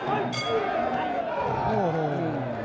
โอ้โหโอ้โห